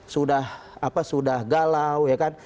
sudah galau ya kan